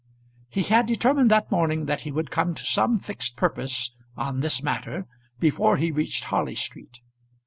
He had determined that morning that he would come to some fixed purpose on this matter before he reached Harley Street.